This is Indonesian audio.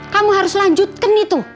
kamu harus lanjutkan itu